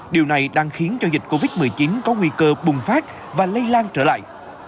điều này đang khiến cho dịch covid một mươi chín có nguy cơ bùng phát và lây lan trở lại